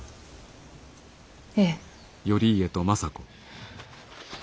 ええ。